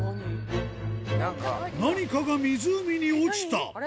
何かが湖に落ちた。